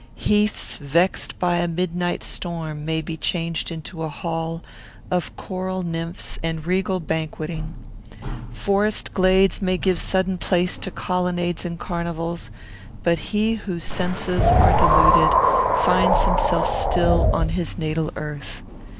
Heaths vexed by a midnight storm may be changed into a hall of choral nymphs and regal banqueting; forest glades may give sudden place to colonnades and carnivals; but he whose senses are deluded finds himself still on his natal earth.